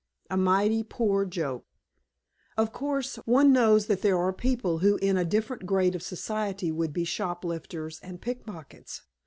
A MIGHTY POOR JOKE Of course, one knows that there are people who in a different grade of society would be shoplifters and pickpockets.